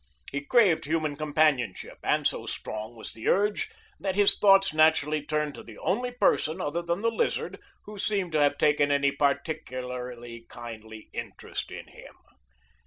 He craved human companionship, and so strong was the urge that his thoughts naturally turned to the only person other than the Lizard who seemed to have taken any particularly kindly interest in him.